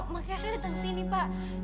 makanya saya datang ke sini pak